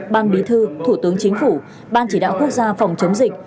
ban bí thư thủ tướng chính phủ ban chỉ đạo quốc gia phòng chống dịch